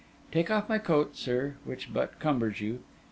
Take off my coat, sir—which but cumbers you.